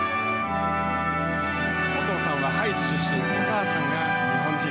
お父さんはハイチ出身、お母さんが日本人。